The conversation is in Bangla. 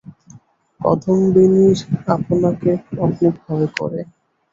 কাদম্বিনীর আপনাকে আপনি ভয় করে।